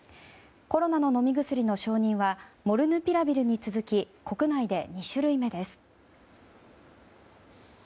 コロナの飲み薬の承認はモルヌピラビルに続き国内で２種類目です。